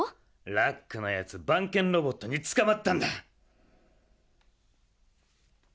ラックのやつばんけんロボットにつかまったんだ。